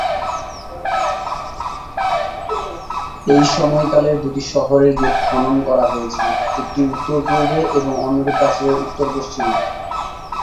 এই সময়কালের দুটি শহরের গেট খনন করা হয়েছে, একটি উত্তর-পূর্বে এবং অন্যটি প্রাচীরের উত্তর-পশ্চিমে।